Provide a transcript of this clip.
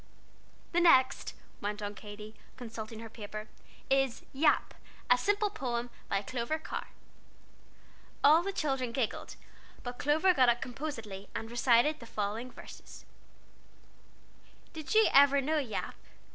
"The next," went on Katy, consulting her paper, "is 'Yap,' a Simple Poem, by Clover Carr." All the children giggled, but Clover got up composedly, and recited the following verses: "Did you ever know Yap?